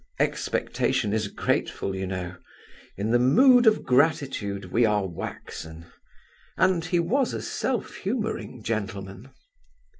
Expectation is grateful, you know; in the mood of gratitude we are waxen. And he was a self humouring gentleman.